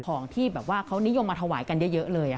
ของที่แบบว่าเขานิยมมาถวายกันเยอะเลย